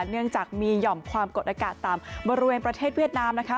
เนื่องจากมีหย่อมความกดอากาศต่ำบริเวณประเทศเวียดนามนะคะ